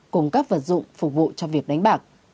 cùng các vật dụng phục vụ cho việc đánh bạc